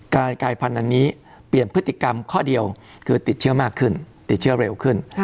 กายพันธุ์อันนี้เปลี่ยนพฤติกรรมข้อเดียวคือติดเชื้อมากขึ้นติดเชื้อเร็วขึ้น